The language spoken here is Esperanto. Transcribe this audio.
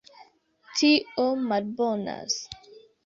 Tio malbonas.